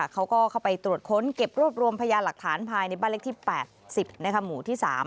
เขาก็เข้าไปตรวจค้นเก็บรวบรวมพยานหลักฐานภายในบ้านเล็กที่๘๐หมู่ที่๓